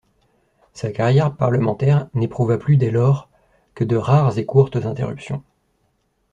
Sa carrière parlementaire n'éprouva plus dès lors que de rares et courtes interruptions.